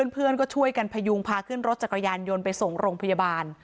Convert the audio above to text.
เพื่อนก็ช่วยกันพยุงพาขึ้นรถจักรยานยนต์ไปส่งโรงพยาบาล